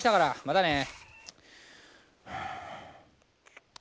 またね。